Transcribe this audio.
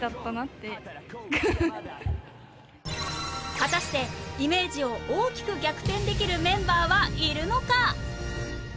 果たしてイメージを大きく逆転できるメンバーはいるのか？